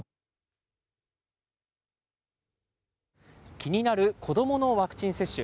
気になる子どものワクチン接種。